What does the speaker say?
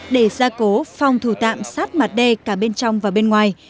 để ra cố phòng thủ tạm sát mặt đê cả bên trong và bên ngoài